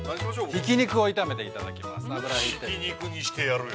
◆ひき肉にしてやるよ。